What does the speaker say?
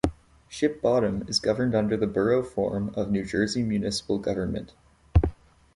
Ship Bottom is governed under the Borough form of New Jersey municipal government.